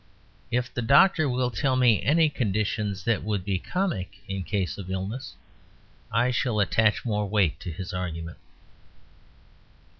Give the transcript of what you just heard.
If the doctor will tell me any conditions that would be comic in case of illness, I shall attach more weight to his argument.